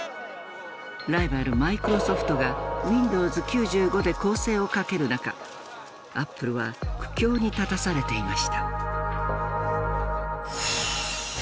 ライバルマイクロソフトがウィンドウズ９５で攻勢をかける中アップルは苦境に立たされていました。